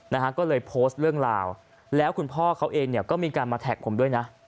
นะฮะก็เลยโพสต์เรื่องราวแล้วคุณพ่อเขาเองเนี่ยก็มีการมาแท็กผมด้วยนะ